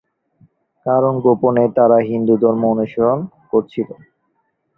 কারণ গোপনে তারা হিন্দুধর্ম অনুশীলন করেছিল।